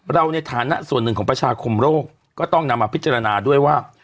เราในฐานะส่วนหนึ่งของประชาคมโรคก็ต้องนำมาพิจารณาด้วยว่า